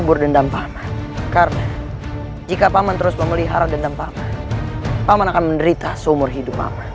baiklah kalau itu keinginanmu